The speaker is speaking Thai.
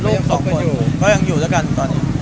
ลูกสองคนก็ยังอยู่ด้วยกันตอนนี้